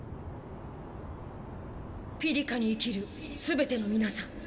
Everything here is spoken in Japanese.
ピリカに生きる全ての皆さん。